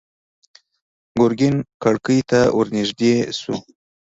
ګرګين کړکۍ ته ور نږدې شو.